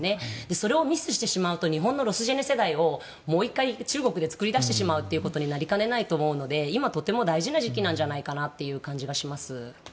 それをミスしてしまうと日本のロスジェネ世代をもう１回中国で作り出してしまうことになりかねないと思うので今、とても大事な時期なんじゃないかなという感じがします。